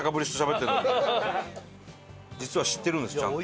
実は知ってるんですちゃんと。